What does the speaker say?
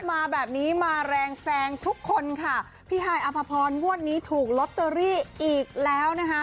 มาแบบนี้มาแรงแซงทุกคนค่ะพี่ฮายอภพรงวดนี้ถูกลอตเตอรี่อีกแล้วนะคะ